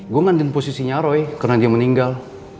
gua ngandung posisinya roy karena dia meninggal